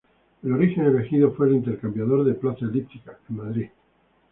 El origen elegido fue el Intercambiador de Plaza Elíptica, en Madrid.